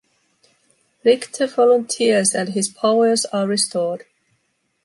Rictor volunteers and his powers are restored.